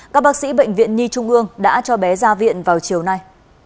các bác sĩ bệnh viện nhi trung ương đã cho bé ra viện vào chiều nay